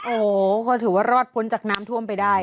โอ้โหก็ถือว่ารอดพ้นจากน้ำท่วมไปได้